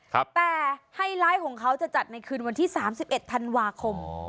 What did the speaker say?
แต่ไฮไลท์ของเขาจะจัดในคืนวันที่๓๑ธันวาคม